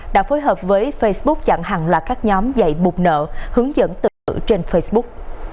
đã phối hợp với facebook chẳng hẳn là các nhóm dạy bục nợ hướng dẫn tự tử trên facebook